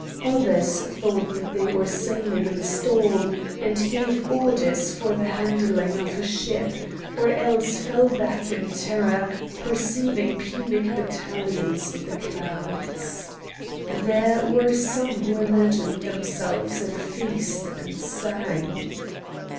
Others thought that they were sailing in a storm and gave orders for the handling of a ship, or else fell back in terror, perceiving Punic battalions in the clouds. There were some who imagined themselves at a feast, and sang.